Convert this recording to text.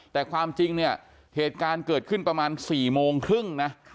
แต่ความจริงเนี่ยเหตุการณ์เกิดขึ้นประมาณ๔โมงครึ่งนะ